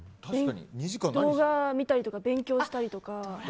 動画を見たりとか勉強したりとか。